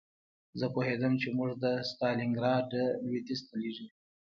زه پوهېدم چې موږ د ستالینګراډ لویدیځ ته لېږي